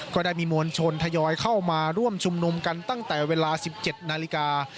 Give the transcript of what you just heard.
ก็ได้มีมวลชนทยอยเข้ามาร่วมชุมนุมกันตั้งแต่เวลา๑๗นาฬิกา